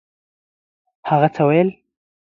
هغه څه ویل؟